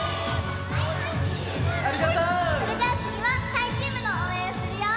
それじゃあつぎはたいチームのおうえんをするよ！